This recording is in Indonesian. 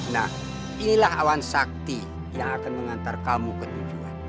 nah inilah awan sakti yang akan mengantar kamu ke tujuan